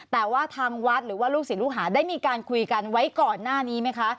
แต่ว่าทางวัดหรือว่าลูกศิษย์ลูกหาได้มีการคุยกันไว้ก่อนหน้านี้ไหมคะ